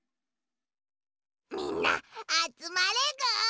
みんなあつまれぐ！